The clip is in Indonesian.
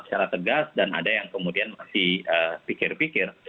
secara tegas dan ada yang kemudian masih pikir pikir